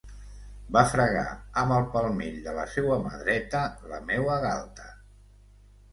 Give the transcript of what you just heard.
Va fregar amb el palmell de la seua mà dreta la meua galta.